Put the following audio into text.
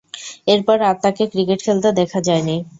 এরপর আর তাকে ক্রিকেট খেলতে দেখা যায়নি।